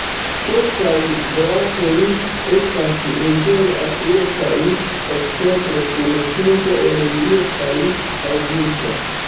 Sportaj boatoj estas inter aprilo kaj oktobro kun pinto en julio kaj aŭgusto.